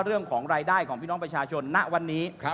เรื่องของรายได้ของพี่น้องประชาชนณวันนี้